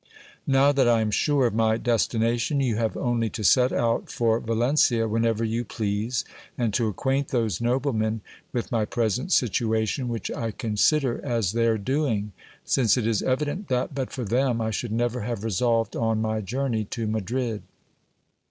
Now that* I am sure of my destination, you have only to set. out for Va lencia whenever you please, and to acquaint those noblemen with my present situation, which I consider as their doing, since it is evident that, but for them, I should never have resolved on my journey to Madrid.